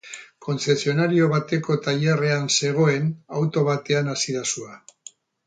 Kontzesionario bateko tailerrean zegoen auto batean hasi da sua.